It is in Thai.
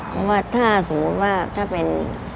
เพราะว่าถ้าสมมุติว่าถ้าเป็น